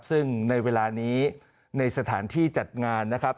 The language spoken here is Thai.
ซึ่งในเวลานี้ในสถานที่จัดงานนะครับ